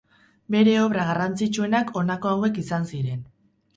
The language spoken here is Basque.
Bere obra garrantzitsuenak honako hauek izan ziren.